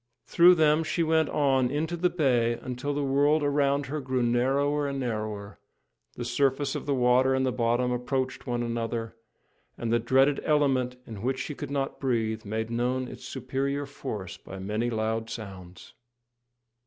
Through them she went on into the bay until the world around her grew narrower and narrower, the surface of the water and the bottom approached one another, and the dreaded element in which she could not breathe made known its superior force by many loud sounds.